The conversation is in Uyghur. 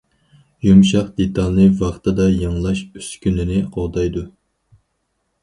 يۇمشاق دېتالنى ۋاقتىدا يېڭىلاش ئۈسكۈنىنى قوغدايدۇ.